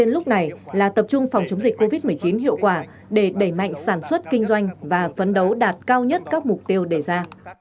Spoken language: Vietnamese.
lúc này là tập trung phòng chống dịch covid một mươi chín hiệu quả để đẩy mạnh sản xuất kinh doanh và phấn đấu đạt cao nhất các mục tiêu đề ra